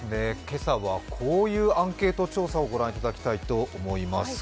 今朝はこういうアンケート調査をご覧いただきたいと思います。